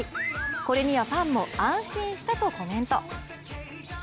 これにはファンも安心したとコメント。